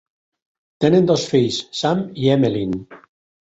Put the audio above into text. Tenen dos fills, Sam i Emelyn.